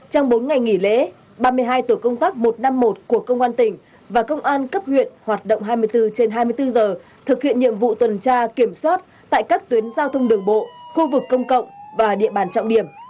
trong bốn ngày nghỉ lễ ba mươi hai tổ công tác một trăm năm mươi một của công an tỉnh và công an cấp huyện hoạt động hai mươi bốn trên hai mươi bốn giờ thực hiện nhiệm vụ tuần tra kiểm soát tại các tuyến giao thông đường bộ khu vực công cộng và địa bàn trọng điểm